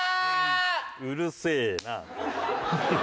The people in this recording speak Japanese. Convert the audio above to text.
うるせえな。